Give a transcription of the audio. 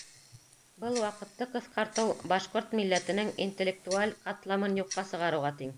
Был ваҡытты ҡыҫҡартыу башҡорт милләтенең интеллектуаль ҡатламын юҡҡа сығарыуға тиң.